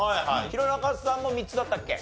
弘中さんも３つだったっけ？